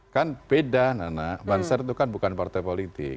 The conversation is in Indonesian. kan beda nana banser itu kan bukan partai politik